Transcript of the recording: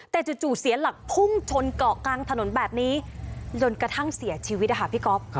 แต่จู่เสียหลักพุ่งชนเกาะกลางถนนแบบนี้จนกระทั่งเสียชีวิตนะคะพี่ก๊อฟ